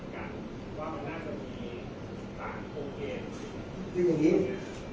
แต่ว่าไม่มีปรากฏว่าถ้าเกิดคนให้ยาที่๓๑